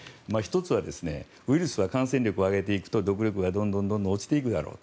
１つはウイルスは感染力を上げていくと毒力がどんどん落ちていくだろう